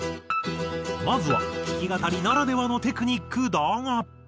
まずは弾き語りならではのテクニックだが。